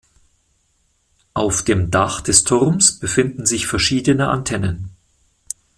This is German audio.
Auf dem Dach des Turms befinden sich verschiedene Antennen.